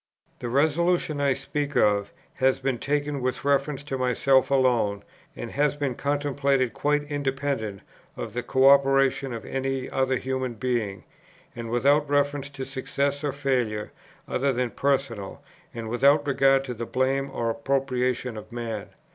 "The resolution I speak of has been taken with reference to myself alone, and has been contemplated quite independent of the co operation of any other human being, and without reference to success or failure other than personal, and without regard to the blame or approbation of man.